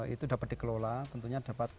itu dapat dikelola tentunya dapat